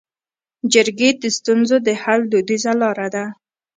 جرګې د ستونزو د حل دودیزه لاره ده